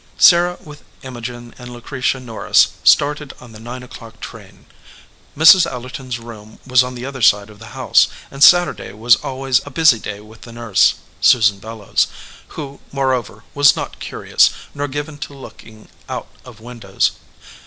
Sarah with Imogen and Lucretia Norris started on the nine o clock train. Mrs. Ellerton s room was on the other side of the house, and Saturday was always a busy day with the nurse, Susan Bellows, who, moreover, was not curious, nor given to look ing out of windows.